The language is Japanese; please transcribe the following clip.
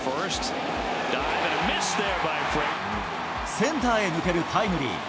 センターへ抜けるタイムリー。